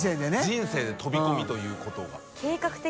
人生で飛び込みということが。